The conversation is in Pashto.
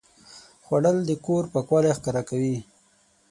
خوړل د کور پاکوالی ښکاره کوي